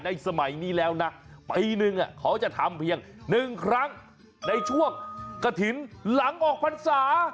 สมัยนี้แล้วนะปีหนึ่งเขาจะทำเพียง๑ครั้งในช่วงกระถิ่นหลังออกพรรษา